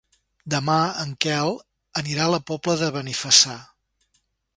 Demà en Quel anirà a la Pobla de Benifassà.